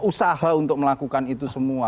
usaha untuk melakukan itu semua